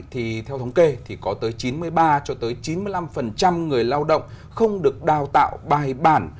thì theo thống kê thì có tới chín mươi ba cho tới chín mươi năm người lao động không được đào tạo bài bản